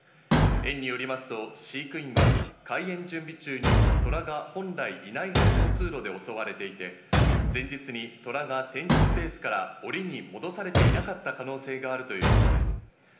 園によりますと飼育員は開園準備中にトラが本来いないはずの通路で襲われていて、前日にトラが展示スペースからオリに戻されていなかった可能性があるということです。